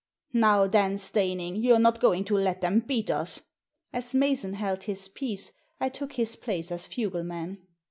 Now then, Steyning, you're not going to let them beat us!" As Mason held his peace I took his place as fugleman.